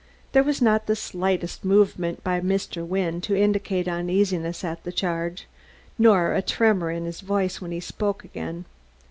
There was not the slightest movement by Mr. Wynne to indicate uneasiness at the charge, not a tremor in his voice when he spoke again.